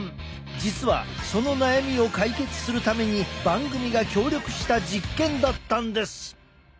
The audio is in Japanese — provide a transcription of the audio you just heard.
実はその悩みを解決するために番組が協力した実験だったんです！